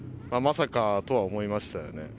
まさかとは思いましたよね。